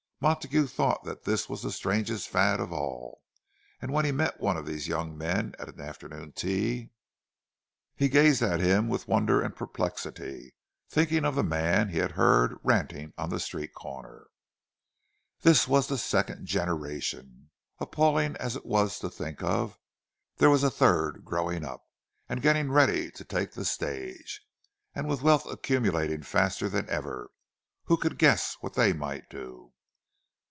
Montague thought that this was the strangest fad of all; and when he met one of these young men at an afternoon tea, he gazed at him with wonder and perplexity—thinking of the man he had heard ranting on the street corner. This was the "second generation." Appalling as it was to think of, there was a third growing up, and getting ready to take the stage. And with wealth accumulating faster than ever, who could guess what they might do?